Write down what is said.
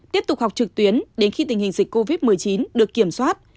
tiếp tục học trực tuyến đến khi tình hình dịch covid một mươi chín được kiểm soát